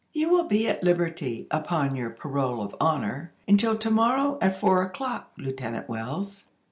"You will be at liberty, upon your parole of honor, until to morrow at four o'clock, Lieutenant Wells."